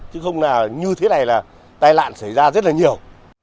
chứ không là như thế này là tai nạn xảy ra rất là nhiều